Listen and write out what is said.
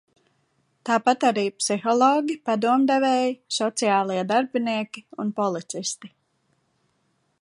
Tāpat arī psihologi, padomdevēji, sociālie darbinieki un policisti.